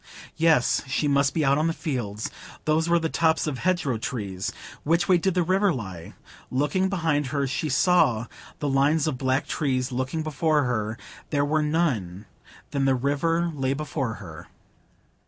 Yes, she must be out on the fields; those were the tops of hedgerow trees. Which way did the river lie? Looking behind her, she saw the lines of black trees; looking before her, there were none; then the river lay before her.